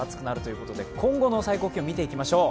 今後の最高気温を見ていきましょう。